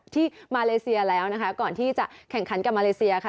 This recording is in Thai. มาเลเซียแล้วนะคะก่อนที่จะแข่งขันกับมาเลเซียค่ะ